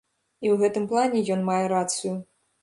І ў гэтым плане ён мае рацыю.